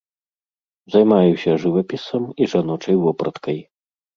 Займаюся жывапісам і жаночай вопраткай.